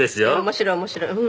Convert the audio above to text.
面白い面白い。